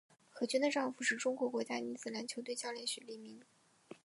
何军的丈夫是中国国家女子篮球队教练许利民。